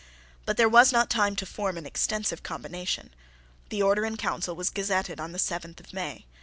But there was not time to form an extensive combination. The Order in Council was gazetted on the seventh of May.